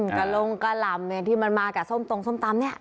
กระลงกะหล่ำเนี่ยที่มันมากับส้มตรงส้มตำเนี่ย